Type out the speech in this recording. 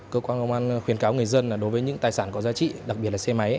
cơ quan công an khuyến cáo người dân đối với những tài sản có giá trị đặc biệt là xe máy